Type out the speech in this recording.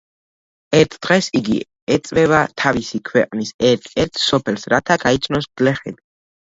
ერთ დღეს იგი ეწვევა თავისი ქვეყნის ერთ-ერთ სოფელს, რათა გაიცნოს გლეხები.